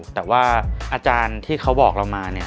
แต่ว่าอาจารย์ที่เขาบอกเรามาเนี่ย